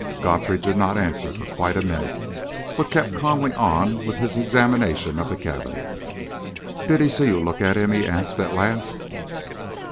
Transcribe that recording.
Godfrey did not answer for quite a minute, but kept calmly on with his examination of the cabinet. "Did he see you look at him?" he asked, at last.